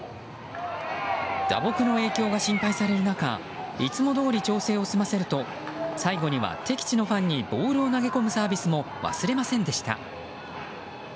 打撲の影響が心配される中いつもどおり調整を済ませると最後には敵地のファンにボールを投げ込むサービスも忘れませんでした。